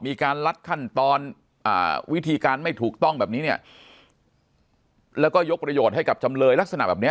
มีการลัดขั้นตอนวิธีการไม่ถูกต้องแบบนี้เนี่ยแล้วก็ยกประโยชน์ให้กับจำเลยลักษณะแบบนี้